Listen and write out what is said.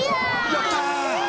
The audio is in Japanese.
やった！